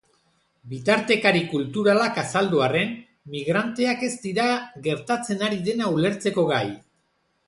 Bitartekari kulturalak azaldu arren, migranteak ez dira gertatzen ari dena ulertzeko gai.